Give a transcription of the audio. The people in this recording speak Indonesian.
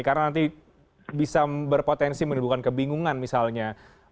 karena nanti bisa berpotensi menimbulkan kebingungan misalnya